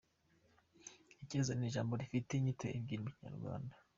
Icyeza ni ijambo rifite inyito ebyiri mu kinyarwanda.